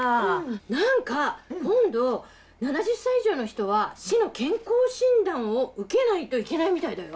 何か今度７０歳以上の人は市の健康診断を受けないといけないみたいだよ。